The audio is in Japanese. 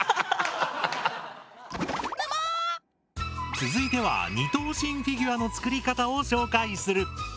続いては２頭身フィギュアの作り方を紹介する！